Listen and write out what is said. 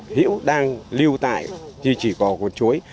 hiểu đang lưu tại di chỉ có cuốn chuối